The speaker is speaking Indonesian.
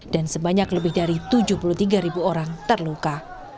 dan sebanyak lebih dari tujuh puluh tiga ribu orang terluka